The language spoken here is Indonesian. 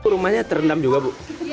rumahnya terendam juga bu